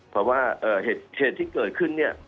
แต่ว่าเหตุที่เกิดขึ้นเนี่ย